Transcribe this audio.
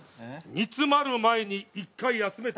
「煮詰まる前に一回休め」。